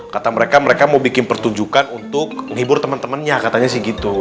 kata mereka mereka mau bikin pertunjukan untuk menghibur teman temannya katanya sih gitu